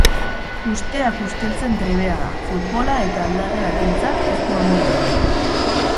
Usteak usteltzen trebea da futbola eta aldagelak behintzat ez du amore eman.